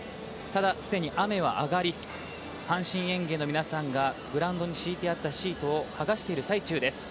ただ既に雨が上がり阪神園芸の皆さんがグラウンドに敷いてあったシートを剥がしている最中です。